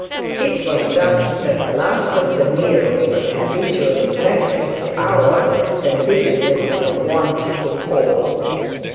It was thus that the last of the Neros was habitually dressed at the hour when visitors were wont to call.